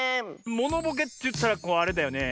モノボケといったらあれだよね。